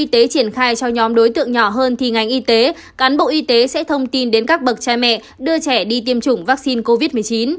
y tế triển khai cho nhóm đối tượng nhỏ hơn thì ngành y tế cán bộ y tế sẽ thông tin đến các bậc cha mẹ đưa trẻ đi tiêm chủng vaccine covid một mươi chín